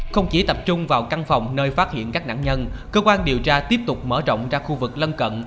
không chỉ tập trung vào căn phòng nơi phát hiện các nạn nhân cơ quan điều tra tiếp tục mở rộng ra khu vực lân cận